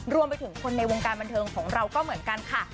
รวมไปถึงคนในวงการบันเทิงของเราก็เหมือนกันค่ะ